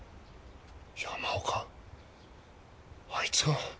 山岡あいつが？